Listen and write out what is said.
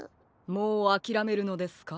もうあきらめるのですか？